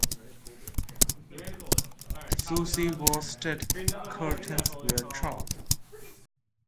The fluffy worsted curtains were drawn.